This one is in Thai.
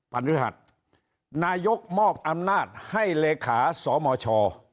พฤหัสนายกมอบอำนาจให้เลขาสมช